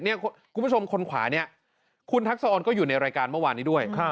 คุณผู้ชมคนขวาเนี่ยคุณทักษะออนก็อยู่ในรายการเมื่อวานนี้ด้วย